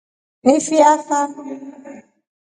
Ni fi afa?